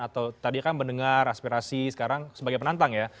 atau tadi kan mendengar aspirasi sekarang sebagai penantang ya